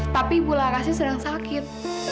tapi bularasnya sedang sakit